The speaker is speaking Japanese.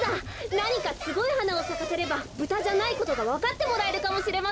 なにかすごいはなをさかせればブタじゃないことがわかってもらえるかもしれません。